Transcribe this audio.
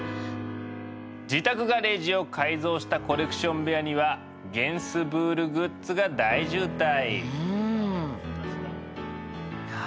自宅ガレージを改造したコレクション部屋にはゲンスブールグッズが大渋滞。